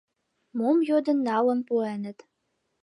Мом йодын — налын пуэныт.